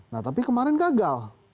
nah tapi kemarin gagal